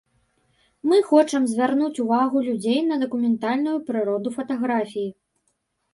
Мы хочам звярнуць увагу людзей на дакументальную прыроду фатаграфіі.